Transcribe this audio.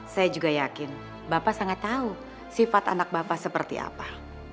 saya juga yakin bapak sangat tahu sifat anak bapak seperti apa